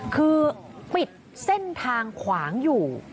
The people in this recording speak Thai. คือปิดเส้นทางขวางอยู่